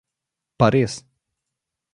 Pa res.